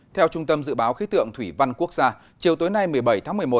theo trung tâm dự báo khí tượng thủy văn quốc gia chiều tối nay một mươi bảy tháng một mươi một